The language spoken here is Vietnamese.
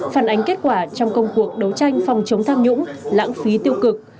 phản ánh kết quả trong công cuộc đấu tranh phòng chống tham nhũng lãng phí tiêu cực